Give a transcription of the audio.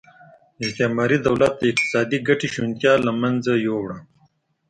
استعماري دولت د اقتصادي ګټې شونتیا له منځه یووړه.